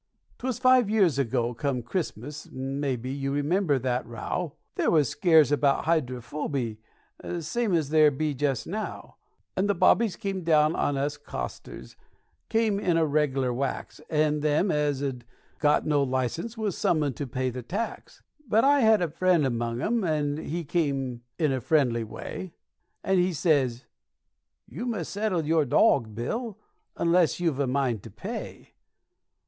'Twas five years ago come Chrismus, maybe you remember the row, There was scares about hydryphoby same as there be just now; And the bobbies came down on us costers came in a reggerlar wax, And them as 'ud got no license was summerned to pay the tax. But I had a friend among 'em, and he come in a friendly way, And he sez, 'You must settle your dawg, Bill, unless you've a mind to pay.'